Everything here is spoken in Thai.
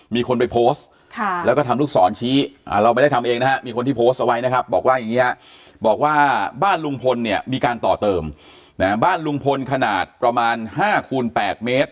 มีคนไปโพสต์แล้วก็ทำลูกศรชี้เราไม่ได้ทำเองนะฮะมีคนที่โพสต์เอาไว้นะครับบอกว่าอย่างนี้ฮะบอกว่าบ้านลุงพลเนี่ยมีการต่อเติมบ้านลุงพลขนาดประมาณ๕คูณ๘เมตร